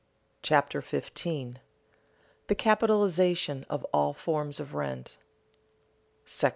CHAPTER 15 THE CAPITALIZATION OF ALL FORMS OF RENT § I.